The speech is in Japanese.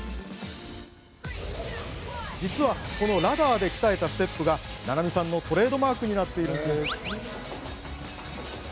実は、このラダーで鍛えたステップが菜々美さんのトレードマークになっているんです。